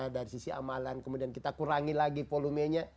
dari sisi amalan kemudian kita kurangi lagi volumenya